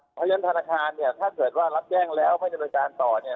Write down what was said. เพราะฉะนั้นธนาคารเนี่ยถ้าเกิดว่ารับแจ้งแล้วไม่ดำเนินการต่อเนี่ย